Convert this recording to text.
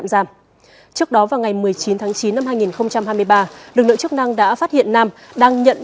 trước đó vào ngày một mươi chín tháng chín năm hai nghìn hai mươi ba lực lượng chức năng đã phát hiện nam đang nhận